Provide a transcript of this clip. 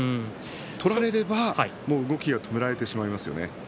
取られれば動きが止められてしまいますよね。